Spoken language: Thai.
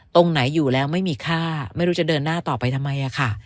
ตรงไหนอยู่แล้วไม่มีค่าไม่รู้จะเดินหน้าต่อไปทำไมอะค่ะ